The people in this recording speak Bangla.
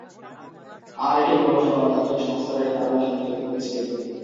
আর এটি ক্রমশ গণতান্ত্রিক সংস্কারের ধারণার সাথে যুক্ত হচ্ছে।